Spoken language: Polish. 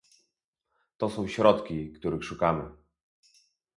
To są środki, których szukamy